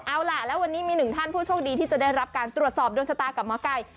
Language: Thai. เอาล่ะแล้ววันนี้มีหนึ่งท่านผู้โชคดีที่จะได้รับการตรวจสอบดวงชะตากับหมอไก่